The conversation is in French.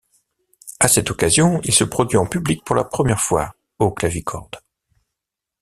À cette occasion, il se produit en public pour la première fois au clavicorde.